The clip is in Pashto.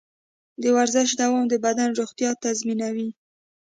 د ورزش دوام د بدن روغتیا تضمینوي.